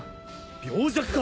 病弱か！